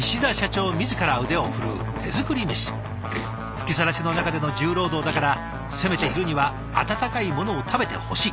吹きさらしの中での重労働だからせめて昼には温かいものを食べてほしい。